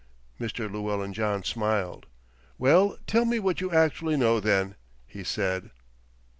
Mr. Llewellyn John smiled. "Well, tell me what you actually know then," he said.